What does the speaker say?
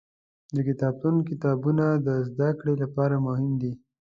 د کتابتون کتابونه د زده کړې لپاره مهم دي.